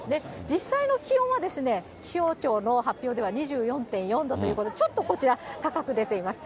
実際の気温は、気象庁の発表では２４．４度ということで、ちょっとこちら、高く出ています。